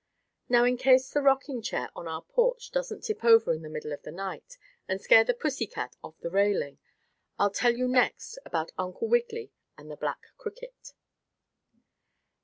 Now, in case the rocking chair on our porch doesn't tip over in the middle of the night, and scare the pussy cat off the railing, I'll tell you next about Uncle Wiggily and the black cricket.